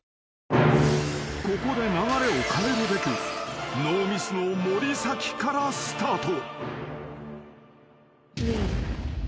［ここで流れを変えるべくノーミスの森崎からスタート］